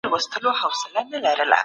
پښتنو ولې د هند په جګړه کي برخه واخیسته؟